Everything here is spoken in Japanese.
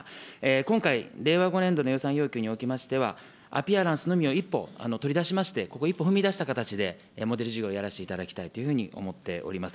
今回、令和５年度の予算要求におきましては、アピアランスのみを一歩取り出しまして、ここ一歩踏み出した形で、モデル事業をやらせていただきたいというふうに思っております。